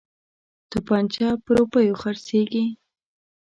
توپنچه په روپیو خرڅیږي.